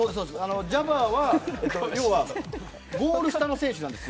ジャバーはゴール下の選手なんです。